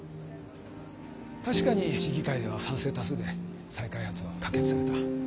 確かに市議会では賛成多数で再開発は可決された。